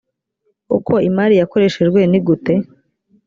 uko imari yakoreshejwe nigute